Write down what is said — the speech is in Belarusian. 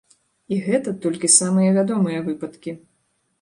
І гэта толькі самыя вядомыя выпадкі.